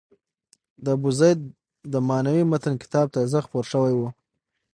د ابوزید د معنای متن کتاب تازه خپور شوی و.